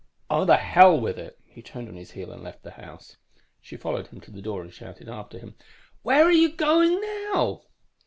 "_ "Oh, the hell with it!" He turned on his heel and left the house. _She followed him to the door and shouted after him, "Where are you going now?"